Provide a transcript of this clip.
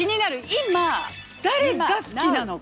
今誰が好きなのか。